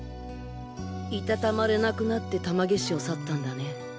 いたたまれなくなって玉毛市を去ったんだね。